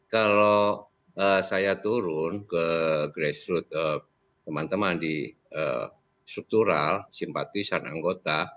kalau saya turun ke grassroot teman teman di struktural simpatisan anggota